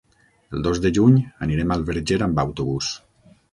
El dos de juny anirem al Verger amb autobús.